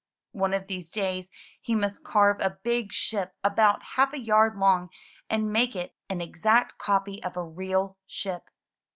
One of these days he must carve a big ship about half a yard long and make it an exact copy of a real ship.